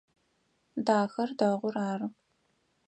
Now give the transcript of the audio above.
Дахэр дэгъур ары.